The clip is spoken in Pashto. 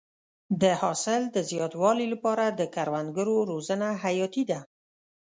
د حاصل د زیاتوالي لپاره د کروندګرو روزنه حیاتي ده.